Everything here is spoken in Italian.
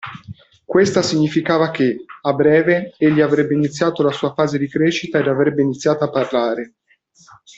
Questa significava che, a breve, egli avrebbe iniziato la sua fase di crescita ed avrebbe iniziato a parlare.